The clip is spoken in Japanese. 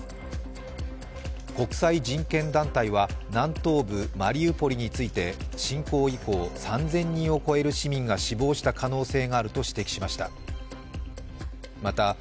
国際人権団体は南東部マリウポリについて侵攻以降３０００人を超える市民が死亡した可能性があると指摘しました。